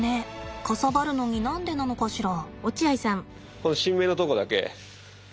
かさばるのに何でなのかしら。